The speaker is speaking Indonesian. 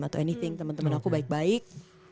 atau anything temen temen aku baik baik